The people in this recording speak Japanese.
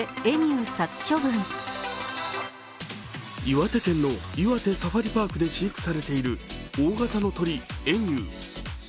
岩手県の岩手サファリパークで飼育されている大型の鳥・エミュー。